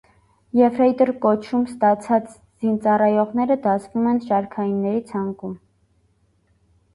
Եֆրեյտոր կոչում ստացած զինծառայողները դասվում են շարքայինների ցանկում։